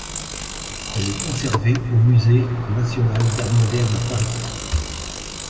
Elle est conservée au Musée national d'Art moderne, à Paris.